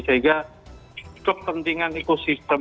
sehingga kepentingan ekosistem